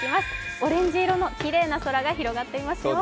オレンジ色のきれいな空が広がっていますよ。